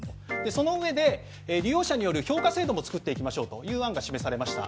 そのうえで、利用者による評価制度も作っていきましょうという案が示されました。